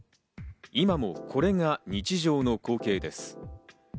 今もこれが日常の光景です。